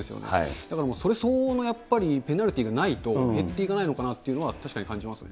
だからそれ相応のやっぱりペナルティーがないと、減っていかないのかなというのは、確かに感じますね。